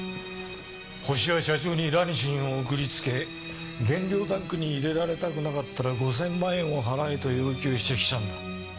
ホシは社長にラニシンを送りつけ原料タンクに入れられたくなかったら５０００万円を払えと要求してきたんだ。